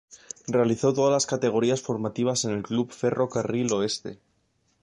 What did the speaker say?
Realizó todas las categorías formativas en el Club Ferro Carril Oeste.